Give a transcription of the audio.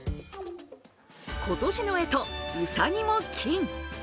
今年のえと、うさぎも金。